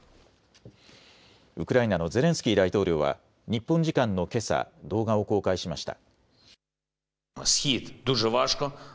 ウクライナのゼレンスキー大統領は日本時間のけさ、動画を公開しました。